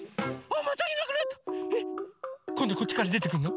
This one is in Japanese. こんどこっちからでてくるの？